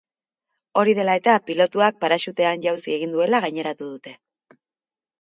Hori dela eta, pilotuak paraxutean jauzi egin duela gaineratu dute.